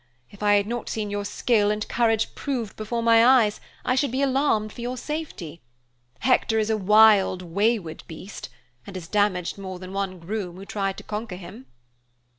If I had not seen your skill and courage proved before my eyes, I should be alarmed for your safety. Hector is a wild, wayward beast, and has damaged more than one groom who tried to conquer him."